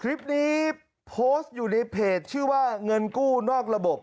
คลิปนี้โพสต์อยู่ในเพจชื่อว่าเงินกู้นอกระบบ